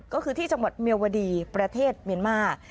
ก็คือที่จังหวัดเมียวดีประเทศเมียนมาร์